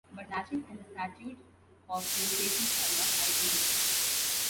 But laches and a statute of limitations are not identical.